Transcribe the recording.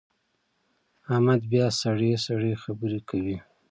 احمد بیا سړې سړې خبرې کوي.